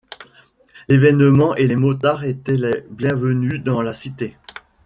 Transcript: L'événement et les motards étaient les bienvenus dans la cité.